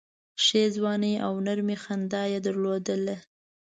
ښې ځواني او نرمي خندا یې درلوده.